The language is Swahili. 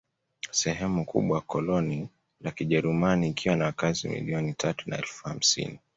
Sehemu kubwa ya koloni la Kijerumani ikiwa na wakazi milioni tatu na elfu hamsini